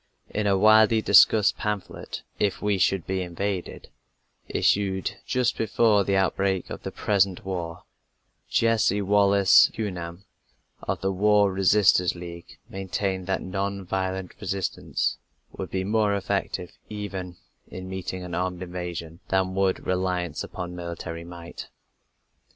In a widely discussed pamphlet, If We Should Be Invaded, issued just before the outbreak of the present war, Jessie Wallace Hughan, of the War Resisters League, maintained that non violent resistance would be more effective even in meeting an armed invasion than would reliance upon military might.